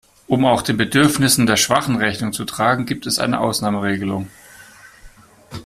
Um auch den Bedürfnissen der Schwachen Rechnung zu tragen, gibt es eine Ausnahmeregelung.